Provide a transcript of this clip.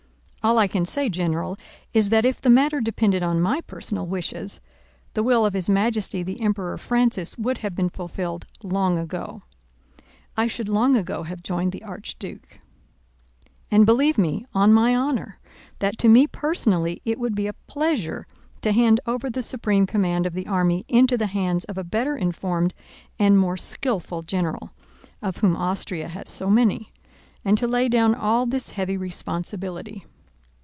"All I can say, General, is that if the matter depended on my personal wishes, the will of His Majesty the Emperor Francis would have been fulfilled long ago. I should long ago have joined the archduke. And believe me on my honour that to me personally it would be a pleasure to hand over the supreme command of the army into the hands of a better informed and more skillful general—of whom Austria has so many—and to lay down all this heavy responsibility.